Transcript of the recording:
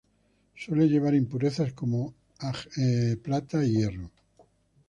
Suele llevar impurezas como: Ag, Fe.